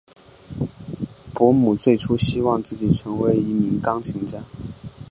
伯姆最初希望自己成为一名钢琴家。